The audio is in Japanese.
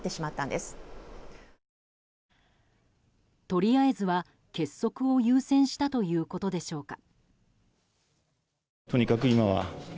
とりあえずは結束を優先したということでしょうか。